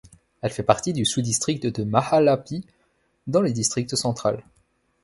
Elle fait partie du sous-district de Mahalapye dans le District central.